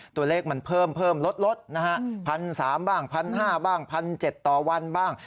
ตัวเลขมันเพิ่มลดนะฮะ๑๓๐๐บ้าง๑๕๐๐บ้าง๑๗๐๐ต่อวันบ้าง